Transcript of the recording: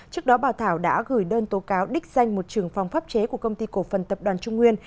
trước đó bà thảo đã gửi đơn tố cáo đích danh một trưởng phòng pháp chế của công ty cổ phần tập đoàn trung nguyên